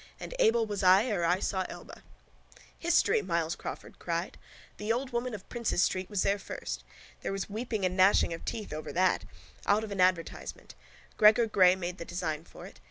And Able was I ere I saw Elba. —History! Myles Crawford cried. The Old Woman of Prince's street was there first. There was weeping and gnashing of teeth over that. Out of an advertisement. Gregor Grey made the design for it.